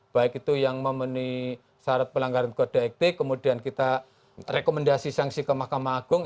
baik itu yang memenuhi syarat pelanggaran kode etik kemudian kita rekomendasi sanksi ke mahkamah agung